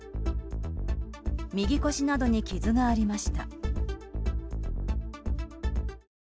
右腰などに傷がありました。